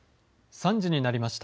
３時になりました。